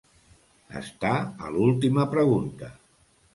Estar a l'última pregunta.